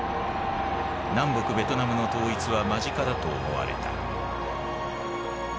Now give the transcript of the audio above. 南北ベトナムの統一は間近だと思われた。